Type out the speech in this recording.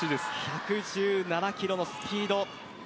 １１７キロのスピード。